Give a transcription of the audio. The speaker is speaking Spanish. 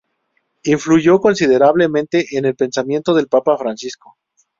Influyó considerablemente en el pensamiento del papa Francisco.